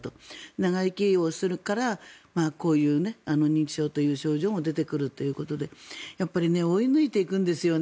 長生きをするからこういう認知症という症状も出てくるということでやっぱり追い抜いていくんですよね。